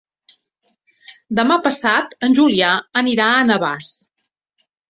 Demà passat en Julià anirà a Navàs.